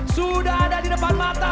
sudah ada di depan mata